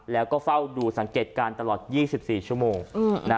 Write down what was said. แล้วก็เฝ้าดูสังเกตการณ์ตลอด๒๔ชั่วโมง